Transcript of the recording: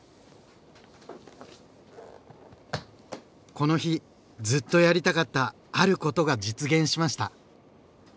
この日ずっとやりたかった「あること」が実現しました。